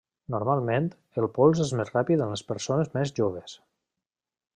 Normalment, el pols és més ràpid en les persones més joves.